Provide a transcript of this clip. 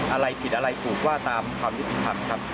อะไรผิดอะไรถูกว่าตามความยุติธรรมครับ